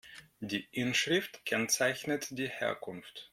Die Inschrift kennzeichnet die Herkunft.